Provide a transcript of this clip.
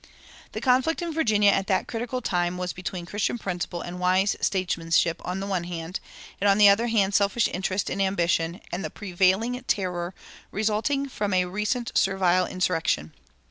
"[274:2] The conflict in Virginia at that critical time was between Christian principle and wise statesmanship on the one hand, and on the other hand selfish interest and ambition, and the prevailing terror resulting from a recent servile insurrection.